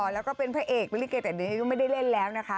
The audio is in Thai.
แล้วก็เป็นพระเอกลิเกแต่ยังไม่ได้เล่นแล้วนะคะ